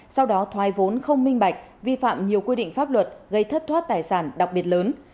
sau đó thoái vốn không minh bạch vi phạm nhiều quy định pháp luật gây thất thoát tài sản đặc biệt lớn